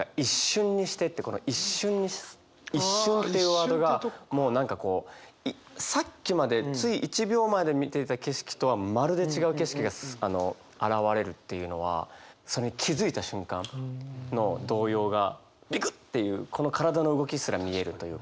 この「一瞬」「一瞬」っていうワードがもう何かこうさっきまでつい一秒前で見ていた景色とはまるで違う景色が現れるっていうのはそれに気付いた瞬間の動揺がビクッていうこの体の動きすら見えるというか。